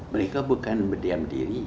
mereka bukan berdiam diri